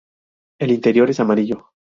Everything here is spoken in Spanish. El interior es amarillo.